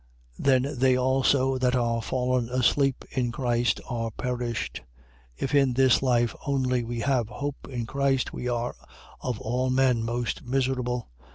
15:18. Then they also that are fallen asleep in Christ are perished. 15:19. If in this life only we have hope in Christ, we are of all men most miserable.